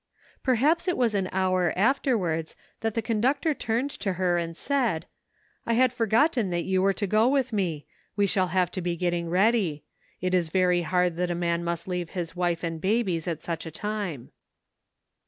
Perhaps it was an hour afterwards that the A TRYING POSITION. 145 conductor turned to her and said, " I had forgot ten that you were to go with me ; we shall have to be getting ready. It is very hard that a man must leave his wife and babies at such a time."